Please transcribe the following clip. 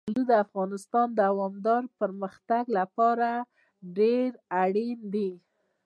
زردالو د افغانستان د دوامداره پرمختګ لپاره ډېر اړین دي.